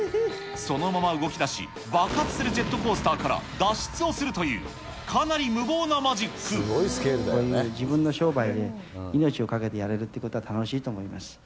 そのまま動きだし、爆発するジェットコースターから脱出をするという、こういう自分の商売で、命を懸けてやれるっていうことは楽しいと思います。